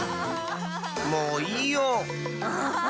もういいよ！